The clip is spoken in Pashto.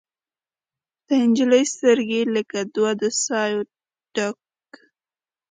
د نجلۍ سترګې لکه دوه د سايو ډک